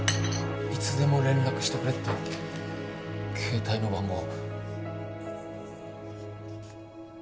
いつでも連絡してくれって携帯の番号を。